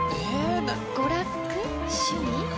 娯楽・趣味？